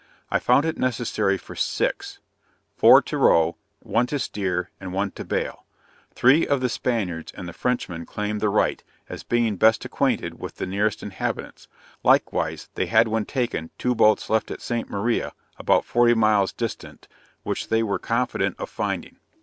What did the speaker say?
I found it necessary for six; four to row, one to steer and one to bale. Three of the Spaniards and the Frenchman claimed the right, as being best acquainted with the nearest inhabitants; likewise, they had when taken, two boats left at St. Maria, (about forty miles distant,) which they were confident of finding.